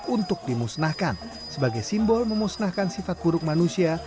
untuk dimusnahkan sebagai simbol memusnahkan sifat buruk manusia